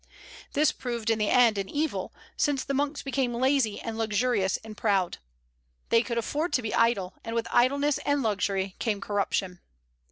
This proved, in the end, an evil, since the monks became lazy and luxurious and proud. They could afford to be idle; and with idleness and luxury came corruption.